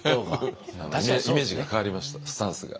イメージが変わりましたスタンスが。